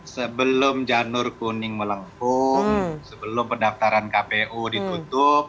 sebelum janur kuning melengkung sebelum pendaftaran kpu ditutup